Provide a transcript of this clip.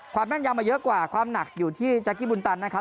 แม่นยำมาเยอะกว่าความหนักอยู่ที่จักรีบุญตันนะครับ